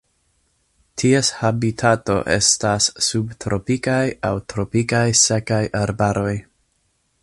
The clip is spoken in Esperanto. Ties habitato estas subtropikaj aŭ tropikaj sekaj arbaroj.